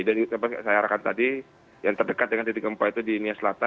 jadi seperti yang saya arahkan tadi yang terdekat dengan titik empat itu di nias selatan